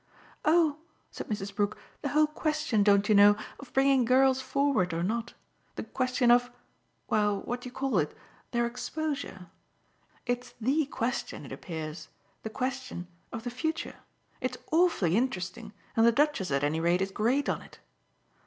"Oh," said Mrs. Brook, "the whole question, don't you know? of bringing girls forward or not. The question of well, what do you call it? their exposure. It's THE question, it appears the question of the future; it's awfully interesting and the Duchess at any rate is great on it.